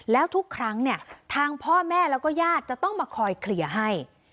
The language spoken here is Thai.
แล้วทุกครั้งเนี่ยทางพ่อแม่แล้วก็ญาติจะต้องมาคอยเคลียร์ให้